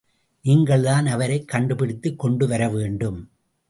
நீங்கள்தான் அவரைக் கண்டுபிடித்துக் கொண்டு வரவேண்டும்.